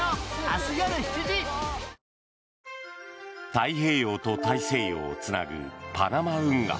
太平洋と大西洋をつなぐパナマ運河。